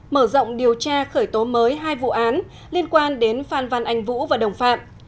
mở rộng điều tra khởi tố mới hai vụ án liên quan đến phan văn anh vũ và đồng phạm